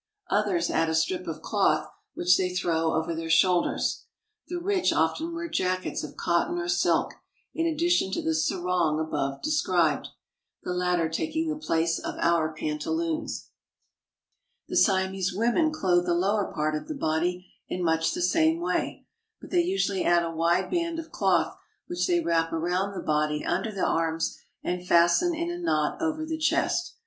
Others add a strip of cloth which they throw over their shoulders. The rich often wear jackets of cot ton or silk, in addition to the sarong above described, the latter taking the place of our pantaloons. The Siamese women clothe the lower part of the body in much the same way ; but they usually add a wide band of cloth which they wrap around the body under the arms and fasten in a knot over the chest.